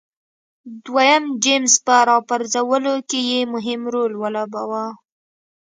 دویم جېمز په راپرځولو کې یې مهم رول ولوباوه.